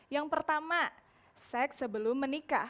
yang pertama seks sebelum menikah